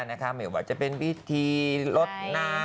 หมายความว่าจะเป็นพิธีลดน้ำ